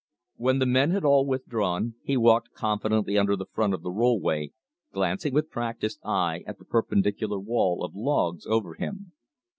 When the men had all withdrawn, he walked confidently under the front of the rollway, glancing with practiced eye at the perpendicular wall of logs over him.